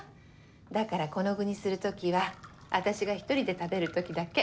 だからこの具にする時は私が１人で食べる時だけ。